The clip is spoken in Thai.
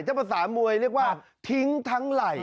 ถ้าภาษามวยเรียกว่าทิ้งทั้งไหล่